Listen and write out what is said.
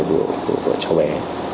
của cháu bé